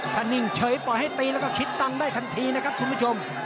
ถ้านิ่งเฉยปล่อยให้ตีแล้วก็คิดตังค์ได้ทันทีนะครับคุณผู้ชม